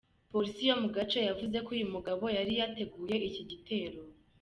Polisi yo mu gace yavuze ko uyu mugabo yari yateguye iki gitero.